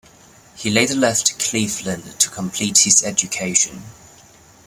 He later left Cleveland to complete his education.